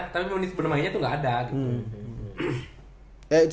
tapi menit penemainnya tuh gak ada gitu